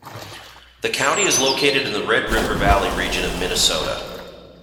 The county is located in the Red River Valley region of Minnesota.